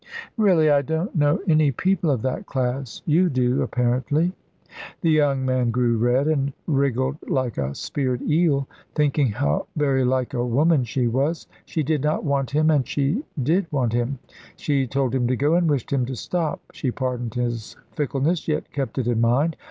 "Really! I don't know any people of that class. You do, apparently." The young man grew red and wriggled like a speared eel, thinking how very like a woman she was. She did not want him, and she did want him; she told him to go, and wished him to stop; she pardoned his fickleness, yet kept it in mind.